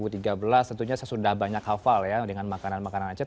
tentunya saya sudah banyak hafal ya dengan makanan makanan aceh